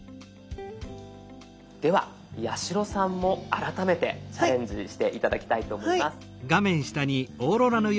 では八代さんも改めてチャレンジして頂きたいと思います。